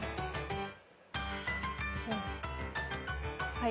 はい。